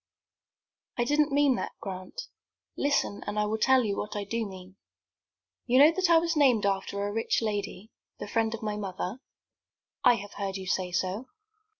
"I didn't mean that, Grant. Listen, and I will tell you what I do mean. You know that I was named after a rich lady, the friend of my mother?" "I have heard you say so."